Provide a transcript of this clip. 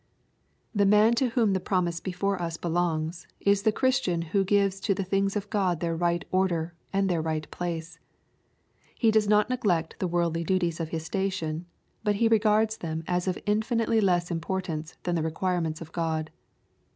81 The man to whom the promise before us belongs, is the Christian who gives to the things of God their right order and their right place. He does not neglect the worldly d.uties of his station, but he res^ards them as of infinitely less importance than the requirements of God.